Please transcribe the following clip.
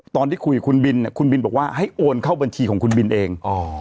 ตอนที่คุยกับคุณบินคุณบินบอกว่าให้โอนเข้าบัญชีของคุณบินเอง